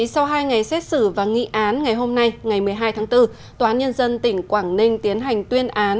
sau hai ngày xét xử và nghị án ngày hôm nay ngày một mươi hai tháng bốn tòa án nhân dân tỉnh quảng ninh tiến hành tuyên án